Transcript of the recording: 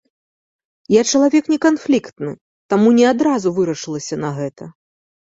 Я чалавек неканфліктны, таму ні адразу вырашылася на гэта.